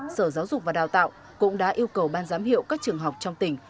sở giáo dục và đào tạo cũng đã yêu cầu ban giám hiệu các trường học trong tỉnh